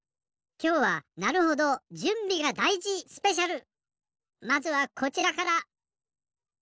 きょうはまずはこちらから。